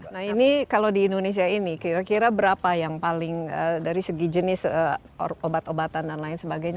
nah ini kalau di indonesia ini kira kira berapa yang paling dari segi jenis obat obatan dan lain sebagainya